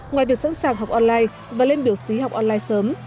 ngoài việc sẵn sàng học online và lên biểu phí học online sớm